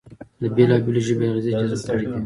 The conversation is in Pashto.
د بېلابېلو ژبو اغېزې جذب کړې دي